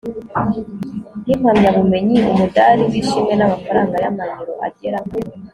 n'impamyabumenyi, umudari w'ishimwe n'amafaranga y'amayero agera